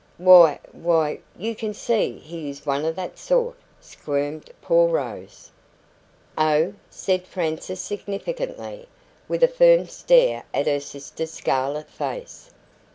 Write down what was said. "Why why you can see he is one of that sort," squirmed poor Rose. "Oh!" said Frances significantly, with a firm stare at her sister's scarlet face.